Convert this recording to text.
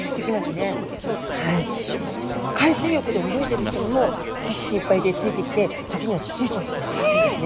海水浴で泳いでる人にも好奇心いっぱいでついてきて時にはつついちゃうこともあるんですね。